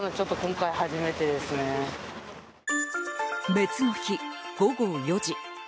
別の日、午後４時。